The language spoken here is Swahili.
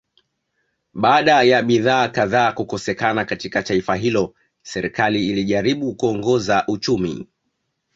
Baada ya bidhaa kadhaa kukosekana katika taifa hilo serikali ilijaribu kuongoza uchumi